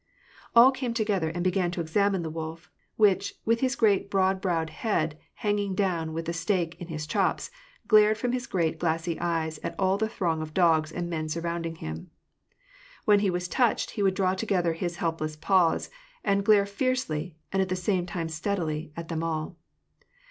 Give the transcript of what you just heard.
All came together, and began to examine the wolf, which, with his great broad browed head hanging down, with the stake in his chops, glared from his great glassy eyes at all that throng of dogs and men surrounding him. When he was touched, he would draw together his helpless paws, and glare fiercely, and at the same time steadily, at them all.